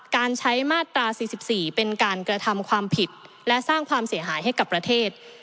การใช้มาตรา๔๔เป็นการกระทำความผิดและสร้างความเสียหายให้กับประเทศ